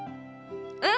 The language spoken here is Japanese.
うん。